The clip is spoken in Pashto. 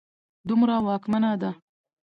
دومره واکمنه ده